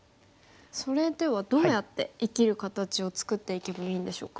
それではどうやって生きる形を作っていけばいいんでしょうか？